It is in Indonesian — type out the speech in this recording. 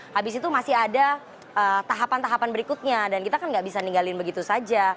habis itu masih ada tahapan tahapan berikutnya dan kita kan nggak bisa ninggalin begitu saja